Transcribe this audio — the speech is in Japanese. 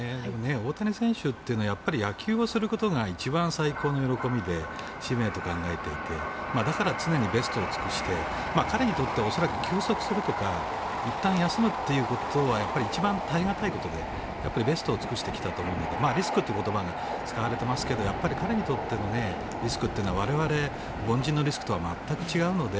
大谷選手というのはやっぱり野球をすることが一番最高の喜びで使命と考えていてだから常にベストを尽くして彼にとっては恐らく休息するとかいったん休むということは一番耐え難いことでベストを尽くしてきたと思うのでリスクという言葉が使われていますがやっぱり彼にとってのリスクは我々凡人のリスクとは全く違うので